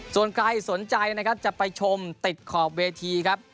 ส่วนใครสนใจนะครับจะไปชมติดขอบเวทีครับ